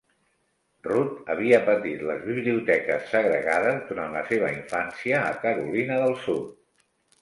Rudd havia patit les biblioteques segregades durant la seva infància a Carolina del Sud.